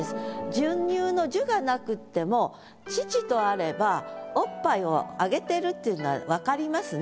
「授乳」の「授」がなくっても「乳」とあればおっぱいをあげてるっていうのは分かりますね。